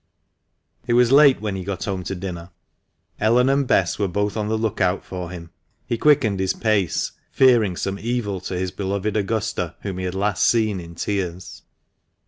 It was late when he got home to dinner. Ellen and Bess were both on the look out for him. He quickened his pace, fearing some evil to his beloved Augusta, whom he had last seen in tears.